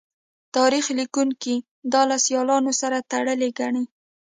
تاریخ لیکوونکي دا له سیالانو سره تړلې ګڼي